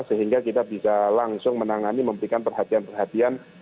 sehingga kita bisa langsung menangani memberikan perhatian perhatian